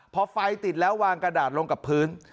พอไฟติดแล้ววางกระดาษลงกับพื้น